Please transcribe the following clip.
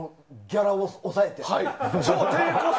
ギャラを抑えて。